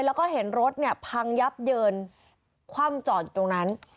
แล้วก็เห็นรถเนี่ยพังยับเยินคว่ำจอดอยู่ตรงนั้น